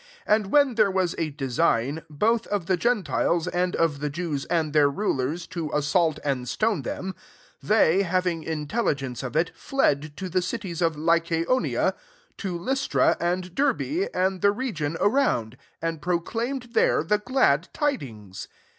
5 And when there was a de sign, both of the gentiles, and of the Jews and their rulers, to assault and stone them, 6 they, )iaving intelligence of iV, fled to the cities of Lycaonia, to Ly stra and Derb^, and the region around; 7 and proclaimed there the glad tidings.